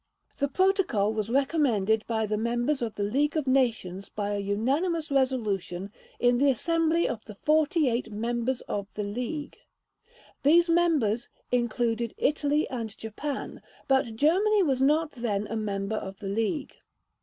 The Protocol was recommended to the members of the League of Nations by a unanimous resolution in the assembly of the 48 members of the League. These members included Italy and Japan, but Germany was not then a member of the League.